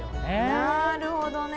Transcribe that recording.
なるほどね。